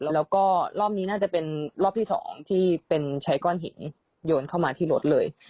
แล้วก็รอบนี้น่าจะเป็นรอบที่๒ที่เป็นใช้ก้อนหินโยนเข้ามาที่รถเลย